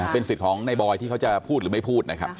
เป็นสิทธิ์ของในบอยที่เขาจะพูดหรือไม่พูดนะครับ